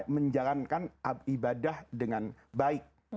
menjalankan ibadah dengan baik